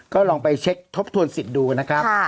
ก็ลองไปเช็คทบทวนสิทธิ์ดูนะครับ